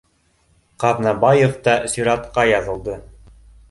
Ҡаҙнабаев та сиратҡа яҙылды